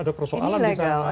ada persoalan di sana